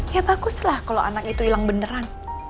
ya takutlah kalau anak itu hilang beneran